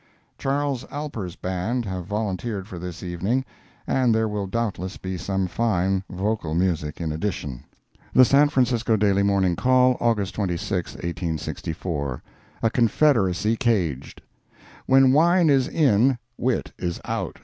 Charles Alper's Band have volunteered for this evening, and there will doubtless be some fine vocal music in addition. The San Francisco Daily Morning Call, August 26, 1864 A "CONFEDERACY" CAGED "When wine is in, wit is out."